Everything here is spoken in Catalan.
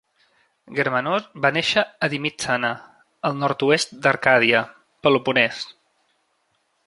Germanós va néixer a Dimitsana, al nord-oest d'Arcàdia, Peloponès.